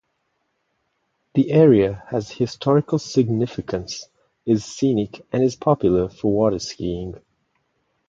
The area has historical significance, is scenic and is popular for water skiing.